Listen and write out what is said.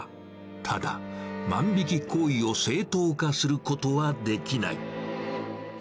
ただ、万引き行為を正当化することはできない。